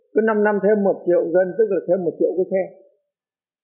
cứ năm năm thêm một triệu dân tức là thêm một triệu cái xe